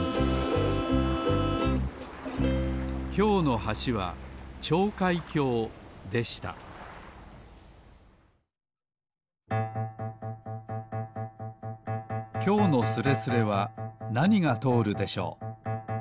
きょうの橋は跳開橋でしたきょうのスレスレはなにがとおるでしょう